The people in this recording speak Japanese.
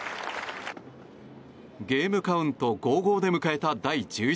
ゲームカウント５−５で迎えた１１